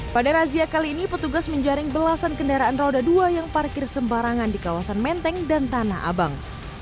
pada razia kali ini petugas menjaring belasan kendaraan roda dua yang parkir sembarangan di kawasan menteng dan tanah abang